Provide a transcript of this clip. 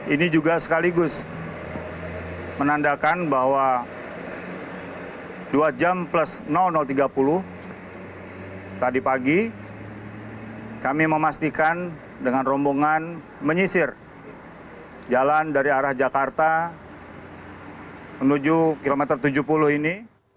ini juga sekaligus menandakan bahwa dua jam plus tiga puluh tadi pagi kami memastikan dengan rombongan menyisir jalan dari arah jakarta menuju kilometer tujuh puluh ini